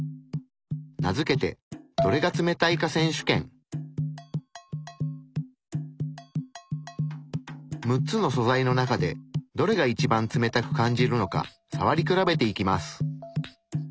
名付けて６つの素材の中でどれが一番冷たく感じるのかさわり比べていきます。